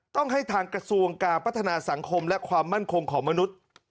ต้องให้ทางกระทรวงการพัฒนาสังคมและความมั่นคงของมนุษย์